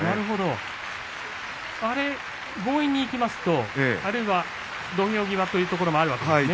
強引にいきますとあるいは土俵際というところもあるわけですね。